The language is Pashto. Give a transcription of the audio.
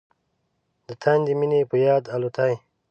د تاندې مينې په یاد الوتای